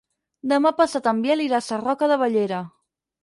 Demà passat en Biel irà a Sarroca de Bellera.